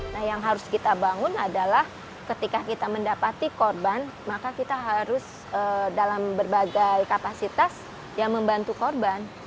nah yang harus kita bangun adalah ketika kita mendapati korban maka kita harus dalam berbagai kapasitas yang membantu korban